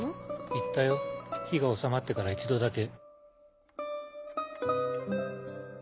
行ったよ火が収まってから一度だけ。